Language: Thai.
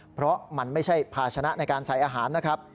เพราะมันไม่ใช่ภาชนะในการใส่อาหารนะครับ